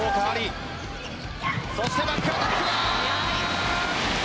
そしてバックアタック。